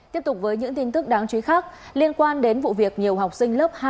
tiếp tục với những tin tức đáng chú ý khác liên quan đến vụ việc nhiều học sinh lớp hai